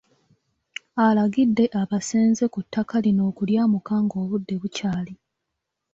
Alagidde abeesenza ku ttaka lino okulyamuka ng'obudde bukyali.